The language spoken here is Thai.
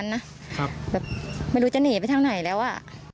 แบบไม่รู้จะหนีไปทางไหนแล้วอ่ะ